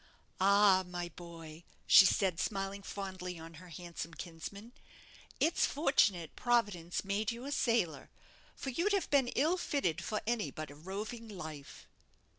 "Ah! my boy," she said, smiling fondly on her handsome kinsman, "it's fortunate Providence made you a sailor, for you'd have been ill fitted for any but a roving life."